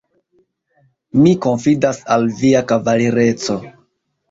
Mi konfidas al via kavalireco.